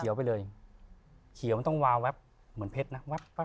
เดี๋ยวไปเลยเขียวมันต้องวาวแป๊บเหมือนเพชรนะแป๊บ